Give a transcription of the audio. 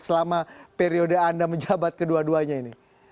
selama periode anda menjabat kedua duanya ini